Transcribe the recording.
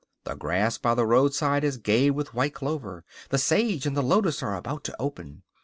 "The grass by the roadside is gay with white clover.", "The sage and the lotus are about to open."